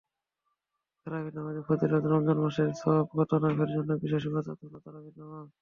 তারাবির নামাজের ফজিলতরমজান মাসের সওগাত লাভের জন্য বিশেষ ইবাদত হলো তারাবির নামাজ।